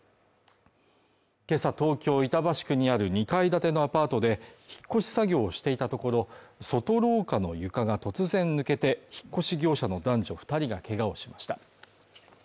けさ東京板橋区にある２階建てのアパートで引っ越し作業をしていたところ、外廊下の床が突然抜けて、引っ越し業者の男女２人がけがをしました。